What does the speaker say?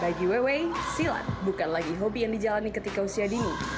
bagi ww silat bukan lagi hobi yang dijalani ketika usia dini